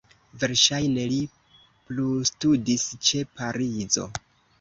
Verŝajne li plustudis ĉe Parizo.